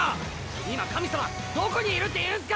今神様どこにいるっていうんすか！？